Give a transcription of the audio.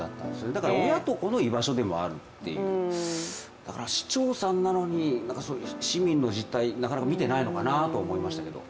だから親と子の居場所でもあるという、だから、市長さんなのに、市民の実態をなかなか見ていないのかなと思いましたけれども。